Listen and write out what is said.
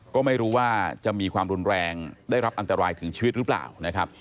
ก็ไม่รู้ว่าจะมีความรุนแรงได้รับอันตรายถึงชีวิตหรือเปล่านะครับ